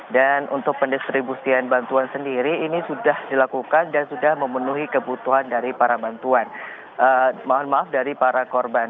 dan untuk pendistribusian bantuan sendiri ini sudah dilakukan dan sudah memenuhi kebutuhan dari para korban